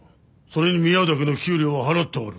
それに見合うだけの給料は払っておる。